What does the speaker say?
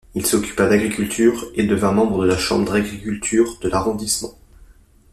Il s'occupa d'agriculture et devint membre de la Chambre d'agriculture de l'arrondissement.